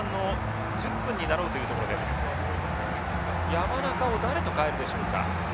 山中を誰と代えるでしょうか。